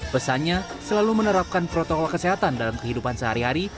pesannya selalu menerapkan protokol kesehatan dalam kehidupan sehari hari